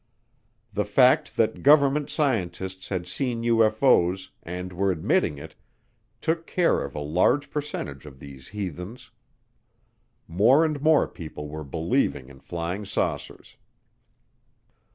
The fact that government scientists had seen UFO's, and were admitting it, took care of a large percentage of these heathens. More and more people were believing in flying saucers.